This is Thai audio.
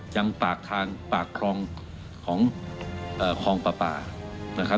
อยู่กับปากทางของครองปลา